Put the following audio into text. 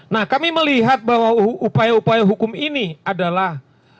nah kami melihat bahwa upaya upaya hukum ini adalah